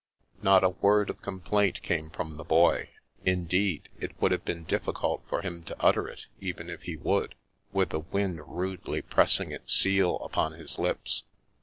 Not a word of complaint came from the Boy; in deed, it would have been difficult for him to utter it, even if he would, with the wind rudely pressing its seal upon his lips.